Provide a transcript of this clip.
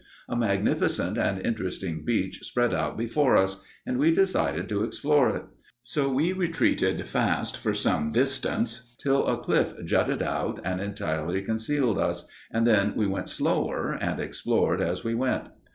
A magnificent and interesting beach spread out before us, and we decided to explore it. So we retreated fast for some distance till a cliff jutted out and entirely concealed us, and then we went slower and explored as we went.